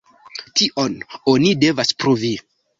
Tion oni devas pruvi.